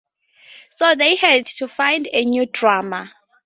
So they had to find a new drummer.